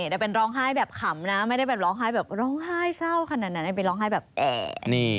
แต่เป็นร้องไห้แบบขำนะไม่ได้แบบร้องไห้แบบร้องไห้เศร้าขนาดนั้นไปร้องไห้แบบแอ